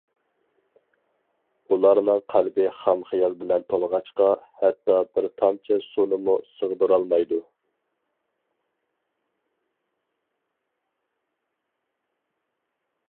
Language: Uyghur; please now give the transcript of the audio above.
ئۇلارنىڭ قەلبى خام خىيال بىلەن تولغاچقا، ھەتتا بىر تامچە سۇنىمۇ سىغدۇرالمايدۇ.